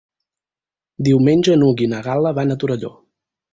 Diumenge n'Hug i na Gal·la van a Torelló.